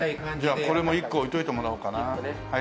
じゃあこれも１個置いといてもらおうかな。